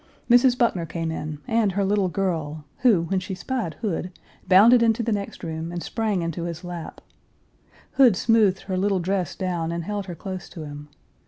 Mrs. Buckner came in and her little girl who, when she spied Hood, bounded into the next room, and sprang into his lap. Hood smoothed her little dress down and held her close to him.